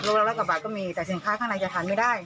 โลละกว่าบาทก็มีแต่สินค้าข้างในจะทานไม่ได้